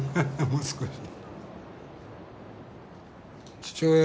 もう少し。